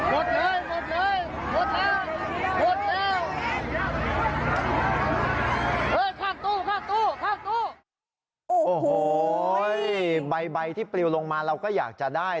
โอ้โหใบที่ปลิวลงมาเราก็อยากจะได้